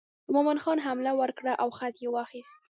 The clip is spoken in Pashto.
مومن خان حمله ور کړه او خط یې واخیست.